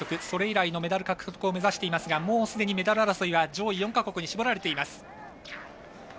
それ以来のメダル獲得を目指していますがメダル争いは上位４か国に絞られています。